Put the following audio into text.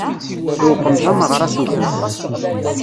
Iwqem tameɣṛa s ufus.